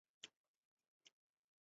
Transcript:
郑覃同意了。